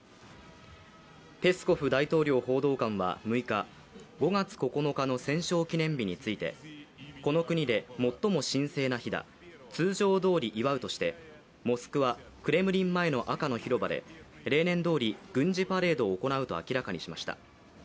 ペスコフ大統領補佐官は６日５月９日の戦勝記念日について、この国で最も神聖な日だ、通常どおり祝うとしてモスクワ・クレムリン前の赤の広場で例年どおり軍事パレードを行うと明らかにしました。